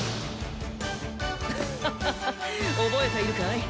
ハハハハ覚えているかい？